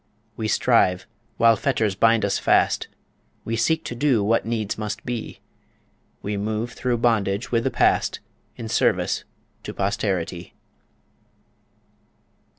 We strive, while fetters bind us fast, We seek to do what needs must be We move through bondage with the past In service to posterity.